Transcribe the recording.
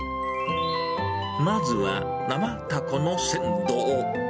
まずは生たこの鮮度を。